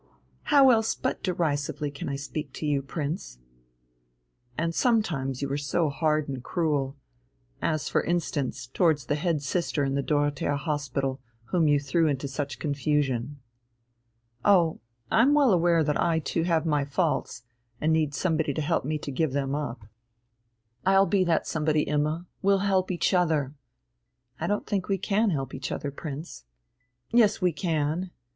"How else but derisively can I speak to you, Prince?" "And sometimes you are so hard and cruel, as for instance towards the head sister in the Dorothea Hospital, whom you threw into such confusion." "Oh, I'm well aware that I too have my faults, and need somebody to help me to give them up." "I'll be that somebody, Imma; we'll help each other." "I don't think we can help each other, Prince." "Yes, we can.